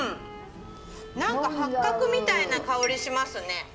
何か八角みたいな香りしますね。